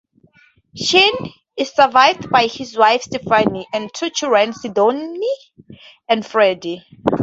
Sheene is survived by his wife Stephanie and two children, Sidonie and Freddie.